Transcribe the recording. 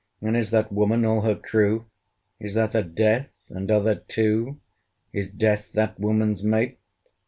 And is that Woman all her crew? Is that a DEATH? and are there two? Is DEATH that woman's mate?